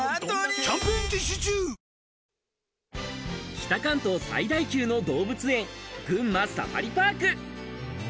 北関東最大級の動物園、群馬サファリパーク。